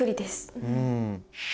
うん。